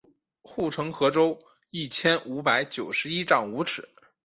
护城河周一千五百九十一丈五尺。